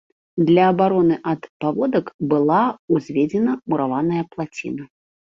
Для абароны ад паводак была ўзведзена мураваная плаціна.